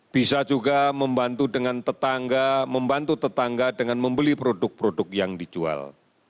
bisa juga membantu tetangga dengan membeli produk produk yang dijual